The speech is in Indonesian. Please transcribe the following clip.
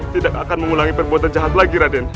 tidak akan mengulangi perbuatan jahat lagi raden